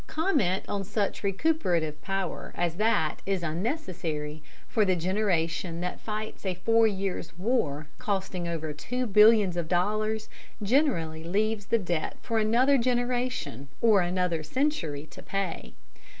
Comment on such recuperative power as that is unnecessary; for the generation that fights a four years war costing over two billions of dollars generally leaves the debt for another generation or another century to pay.